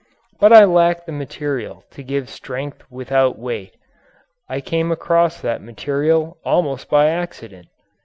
But I lacked the material to give strength without weight. I came across that material almost by accident.